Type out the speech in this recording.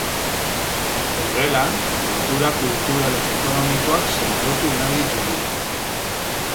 Horrela, lotura kultural eta ekonomikoak sendotu nahi ditugu.